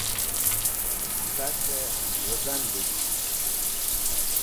Sakey Wizan Dik̃ht